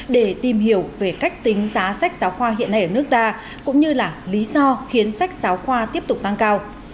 để tìm hiểu về cách tính giá sách giáo khoa hiện nay ở nước ta cũng như là lý do khiến sách giáo khoa tiếp tục tăng cao